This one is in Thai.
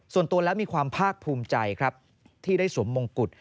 ส่วนตัวแล้วมีความภาคภูมิใจครับที่ได้สวมมงกุฎ